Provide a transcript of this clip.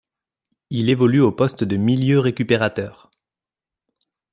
Il évolue au poste de milieu récupérateur.